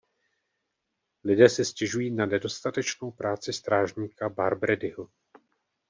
Lidé si stěžují na nedostatečnou práci strážníka Barbradyho.